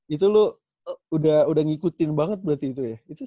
itu lo udah ngikutin banget berarti itu ya